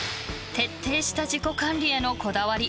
徹底した自己管理へのこだわり。